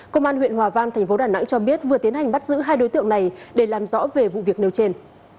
công an huyện hòa vang tp đà nẵng cho biết vừa tiến hành bắt giữ hai đối tượng này để làm rõ về vụ việc nêu trên